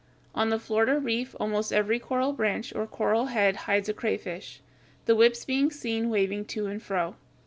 On the Florida Reef almost every coral branch or coral head hides a crayfish, the whips being seen waving to and fro.